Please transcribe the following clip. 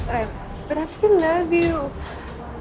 rayan tapi aku masih cintamu